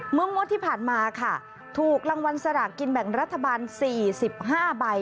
เมื่อมุติที่ผ่านมาค่ะถูกรางวัลสรากินแบ่งรัฐบาล๔๕ใบ